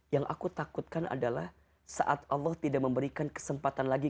yang aku takutkan adalah saat allah tidak memberikan kesempatan lagi